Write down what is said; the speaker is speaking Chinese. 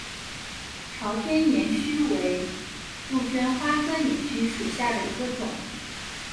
朝天岩须为杜鹃花科岩须属下的一个种。